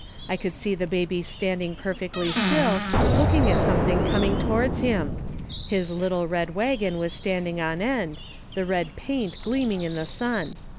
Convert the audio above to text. I could see the baby standing perfectly still, looking at something coming towards him. His little red wagon was standing on end, the red paint gleaming in the sun.